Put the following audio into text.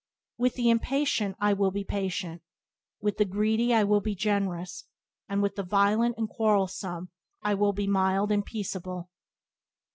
With the impatient I will be patient; with the greedy I will be generous, and with the violent and quarrelsome I will be mild and peaceable.